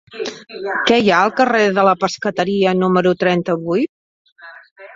Què hi ha al carrer de la Pescateria número trenta-vuit?